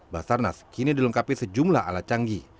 basarnas kini dilengkapi sejumlah alat canggih